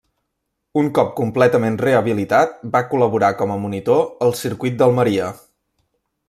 Un cop completament rehabilitat, va col·laborar com a monitor al circuit d'Almeria.